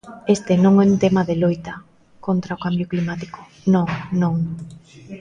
Este non é un tema de loita contra o cambio climático, non, non.